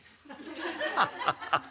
「ハハハハ！